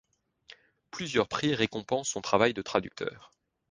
Plusieurs prix récompensent son travail de traducteur.